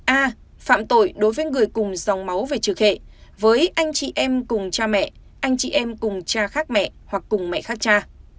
a phạm tội đối với người cùng dòng máu về trực hệ với anh chị em cùng cha mẹ anh chị em cùng cha khác mẹ hoặc cùng mẹ khác cha